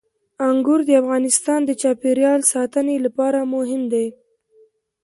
انګور د افغانستان د چاپیریال ساتنې لپاره مهم دي.